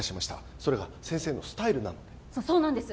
それが先生のスタイルなのでそうなんです